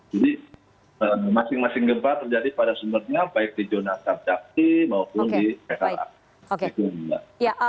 jadi masing masing gempa terjadi pada sumbernya baik di zona sabjakti maupun di kera